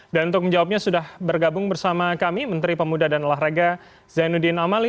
dan untuk menjawabnya sudah bergabung bersama kami menteri pemuda dan lahrega zainuddin amali